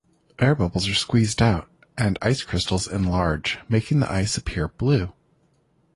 Air bubbles are squeezed out and ice crystals enlarge, making the ice appear blue.